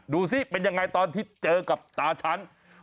ดูสิเป็นยังไงตอนที่เจอกับตาฉัน